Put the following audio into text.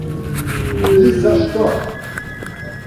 Ни за что!